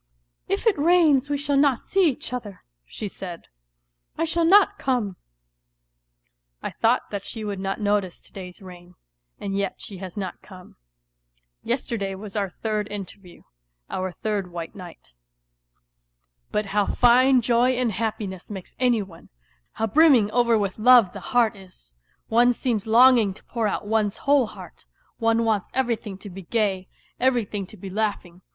"If it rains we shall not see each other," she said, " I shall not come." I thought that she would not notice to day's rain, and yet she has not come. ^. Yesterday was our third interview, our third white night. ...^ But how fine joy and happiness makes any one ! How brim ming over with love the heart is ! One seems longing to pour out one's whole heart ; one wants everything to be gay, every thing to be laughing.